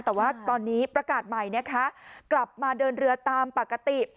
แต่ว่าตอนนี้ประกาศใหม่นะคะกลับมาเดินเรือตามปกติ